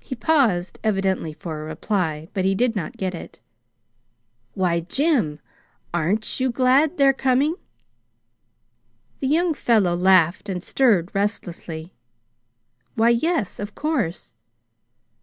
He paused, evidently for a reply. But he did not get it. "Why, Jim, AREN'T you glad they're coming?" The young fellow laughed and stirred restlessly. "Why, yes, of course."